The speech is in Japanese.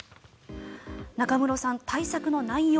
中室さん、対策の内容